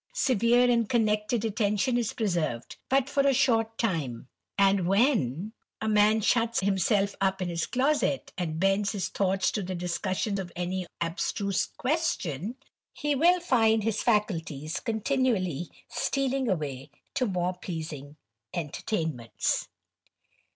Severe and connected Mlcntion is preserved but for a short time; and when a man shuts himself up in his closet, and bends his thoughts lo the discussion of any abstruse question, he will find his Realties continually stealing away to more pleasing enter tainments.